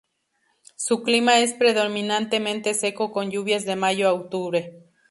Su clima es predominantemente seco con lluvias de mayo a octubre.